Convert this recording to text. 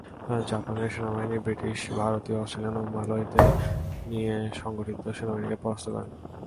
জাপানের সেনাবাহিনী ব্রিটিশ, ভারতীয়, অস্ট্রেলিয়ান ও মালয় দের নিয়ে সংগঠিত সেনাবাহিনীকে পরাস্ত করে।